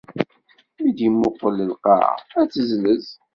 Mi d-imuqqel lqaɛa, ad tezlez.